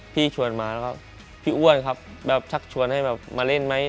พี่ชวนมาแล้วพี่อ้วนชักชวนให้มาเล่นไหม